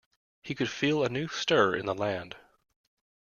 He could feel a new stir in the land.